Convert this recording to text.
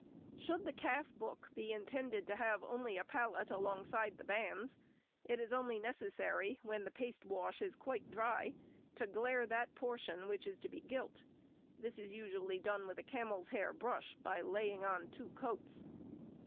Should the calf book be intended to have only a pallet alongside the bands, it is only necessary, when the paste wash is quite dry, to glaire that portion which is to be gilt: this is usually done with a camel's hair brush, by laying on two coats.